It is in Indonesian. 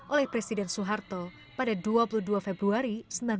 oleh presiden soeharto pada dua puluh dua februari seribu sembilan ratus empat puluh